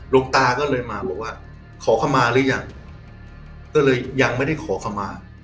ตาก็เลยมาบอกว่าขอเข้ามาหรือยังก็เลยยังไม่ได้ขอคำมา